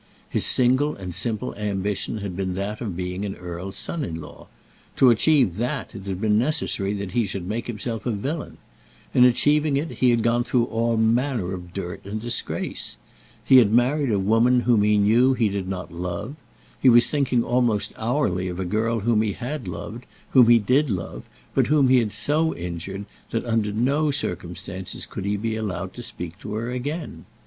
His single and simple ambition had been that of being an earl's son in law. To achieve that it had been necessary that he should make himself a villain. In achieving it he had gone through all manner of dirt and disgrace. He had married a woman whom he knew he did not love. He was thinking almost hourly of a girl whom he had loved, whom he did love, but whom he had so injured, that, under no circumstances, could he be allowed to speak to her again.